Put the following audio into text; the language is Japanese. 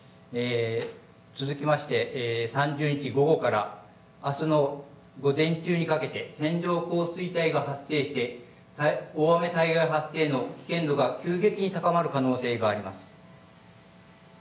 続きまして、３０日午後からあすの午前中にかけて線状降水帯が発生して大雨災害発生の危険度が急激に高まる可能性があります。